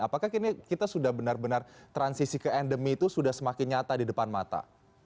apakah kita sudah benar benar transisi ke endemi itu sudah semakin nyata di depan mata